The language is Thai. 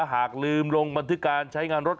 หากลืมลงบันทึกการใช้งานรถ